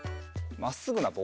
まっすぐなぼう？